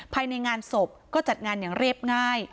ภายในงานศพก็จัดงานอย่างเรียบง่าย